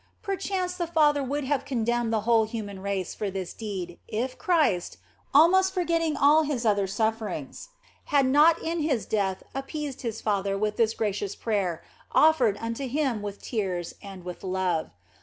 Perchance the Father would have condemned the whole human race for this deed if Christ, almost for getting all His other sufferings, had not in His death ap peased His Father with this gracious prayer, offered unto Him with tears, and with love.